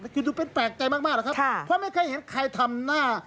คือดูเป็นแปลกใจมากนะครับเพราะไม่เคยเห็นใครทำหน้า